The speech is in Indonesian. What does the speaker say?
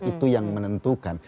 itu yang menentukan